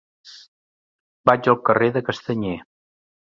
Vaig al carrer de Castanyer.